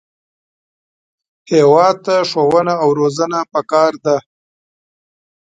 هېواد ته ښوونه او روزنه پکار ده